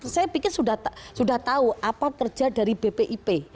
saya pikir sudah tahu apa kerja dari bpip